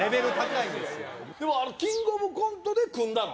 「キングオブコント」で組んだの？